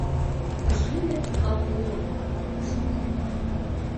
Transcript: Көслө лә, татлы ла була эсемлек.